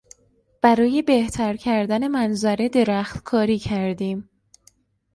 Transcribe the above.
برای بهتر کردن منظره درختکاری کردیم.